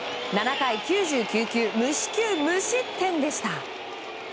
７回９９球無四球無失点でした。